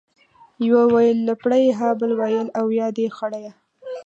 يوه ويل لپړى ، ها بل ويل ، اويا دي خړيه.